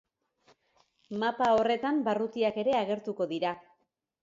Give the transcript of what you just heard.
Mapa horretan barrutiak ere agertuko dira.